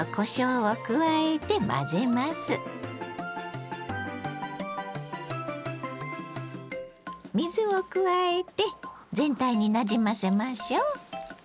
水を加えて全体になじませましょう。